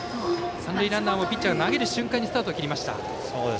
三塁ランナーもピッチャーが投げる瞬間にスタート切りました。